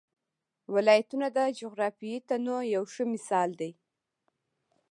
ولایتونه د جغرافیوي تنوع یو ښه مثال دی.